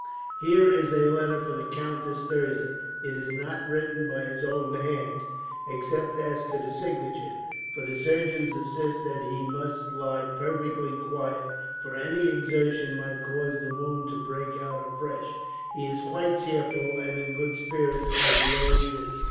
"Here is a letter for the Countess Thirza. It is not written by his own hand, except as to the signature; for the surgeons insist that he must lie perfectly quiet, for any exertion might cause the wound to break out afresh. He is quite cheerful, and in good spirits, as he always is.